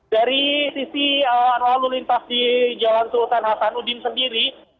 dari sisi lalu lintas di jalan sultan hasanuddin sendiri